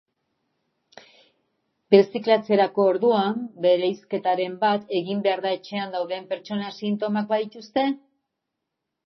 Birziklatzerako orduan bereizketaren bat egin behar da etxean dauden pertsonak sintomak badituzte?